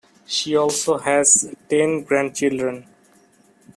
She also has ten grandchildren.